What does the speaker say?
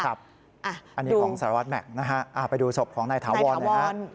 อันนี้ของสารวัสแม็กซ์ไปดูศพของนายถาวร